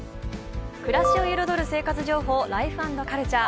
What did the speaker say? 暮らしを彩る生活情報「ライフ＆カルチャー」。